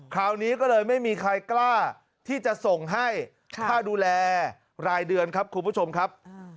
คราวนี้ก็เลยไม่มีใครกล้าที่จะส่งให้ค่าดูแลรายเดือนครับคุณผู้ชมครับ